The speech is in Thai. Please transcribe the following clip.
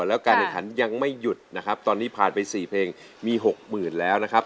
แล้วการแข่งขันยังไม่หยุดนะครับตอนนี้ผ่านไป๔เพลงมีหกหมื่นแล้วนะครับ